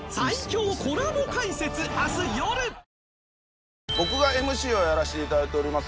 疱疹僕がＭＣをやらせていただいております